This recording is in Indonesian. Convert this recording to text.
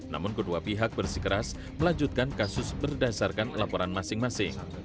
namun kedua pihak bersikeras melanjutkan kasus berdasarkan laporan masing masing